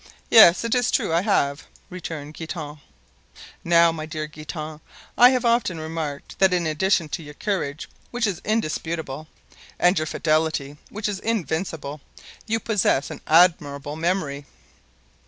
"Yes, it's true. I have," returned Guitant. "Now, my dear Guitant, I have often remarked that in addition to your courage, which is indisputable, and your fidelity, which is invincible, you possess an admirable memory."